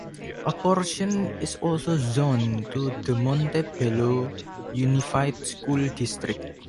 A portion is also zoned to the Montebello Unified School District.